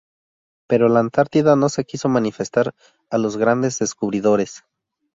Pero la Antártida no se quiso manifestar a los grandes descubridores.